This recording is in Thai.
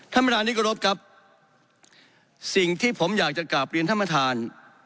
ธรรมฐานนี้กระโดดกับสิ่งที่ผมอยากจะกลับเรียนธรรมฐาน